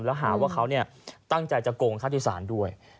แล้วหาว่าเขาเนี่ยตั้งใจจะโกงข้าที่สารด้วย